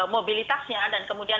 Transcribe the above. mobilitasnya dan kemudian